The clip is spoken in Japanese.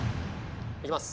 いきます。